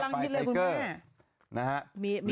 เห็นเลยคุณแม่